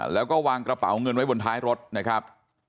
แล้วก็วางกระเป๋าเงินไว้บนท้ายรถนะครับ